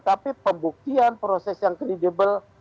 tapi pembuktian proses yang kredibel